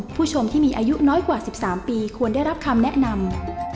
ผู้ชมที่มีอายุน้อยกว่า๑๓ปีควรได้รับคำแนะนำ